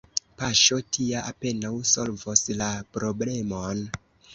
Paŝo tia apenaŭ solvos la problemon.